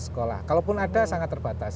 sekolah kalaupun ada sangat terbatas